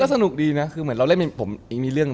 เออก็สนุกดีนะคือเหมือนเราเล่นเป็นผมอีกมีเรื่อง